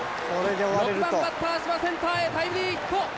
６番バッター柴センターへタイムリーヒット！